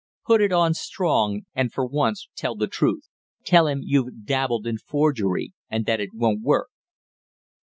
Put it on strong and for once tell the truth. Tell him you've dabbled in forgery and that it won't work!"